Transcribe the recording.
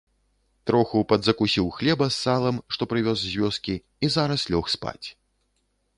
Троху падзакусіў хлеба з салам, што прывёз з вёскі, і зараз лёг спаць.